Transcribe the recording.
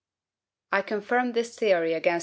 I confirm this theory against M.